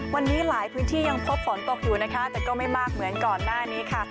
วันนี้หลายพื้นที่ยังพบฝนตกอยู่นะคะแต่ก็ไม่มากเหมือนก่อนหน้านี้ค่ะ